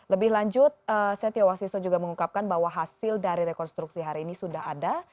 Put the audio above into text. lebih lanjut setia wasiso juga mengungkapkan bahwa hasil dari rekonstruksi hari ini sudah ada